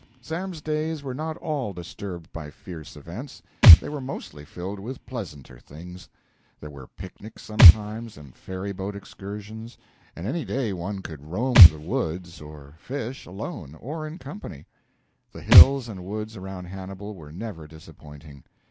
Sam's days were not all disturbed by fierce events. They were mostly filled with pleasanter things. There were picnics sometimes, and ferryboat excursions, and any day one could roam the woods, or fish, alone or in company. The hills and woods around Hannibal were never disappointing.